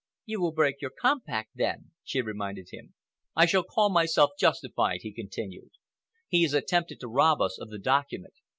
"You will break your compact then," she reminded him. "I shall call myself justified," he continued. "He has attempted to rob us of the document.